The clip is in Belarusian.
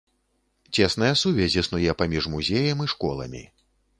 Цесная сувязь існуе паміж музеем і школамі.